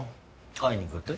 会いに行くって？